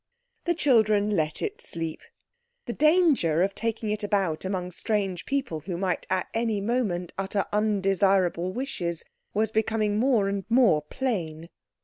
The children let it sleep. The danger of taking it about among strange people who might at any moment utter undesirable wishes was becoming more and more plain.